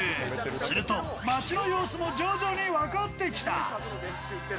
すると、街の様子も徐々に分かってきた。